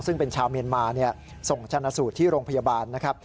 ซึ่งเป็นชาวเมียนมาส่งชนะสูตรที่โรงพยาบาลนะครับ